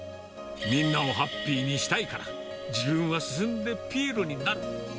みんなをハッピーにしたいから、自分は進んでピエロになる。